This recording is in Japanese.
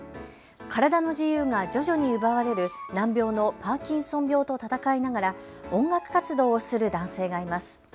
体の自由が徐々に奪われる難病のパーキンソン病と闘いながら音楽活動をする男性がいます。